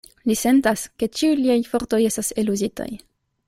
Li sentas, ke ĉiuj liaj fortoj estas eluzitaj.